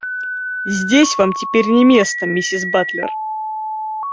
Здесь вам теперь не место, миссис Батлер.